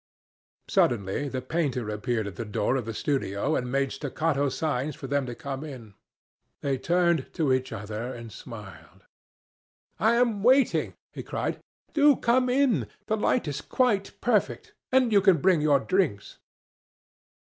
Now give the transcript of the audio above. Suddenly the painter appeared at the door of the studio and made staccato signs for them to come in. They turned to each other and smiled. "I am waiting," he cried. "Do come in. The light is quite perfect, and you can bring your drinks."